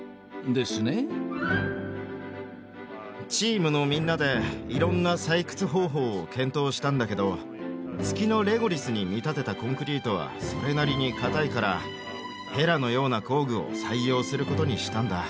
チームのみんなでいろんな採掘方法を検討したんだけど月のレゴリスに見立てたコンクリートはそれなりに硬いからへらのような工具を採用することにしたんだ。